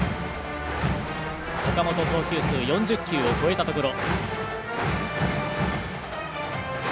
岡本、投球数４０球を超えたところ。